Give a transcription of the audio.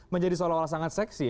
menjadi seolah olah sangat seksi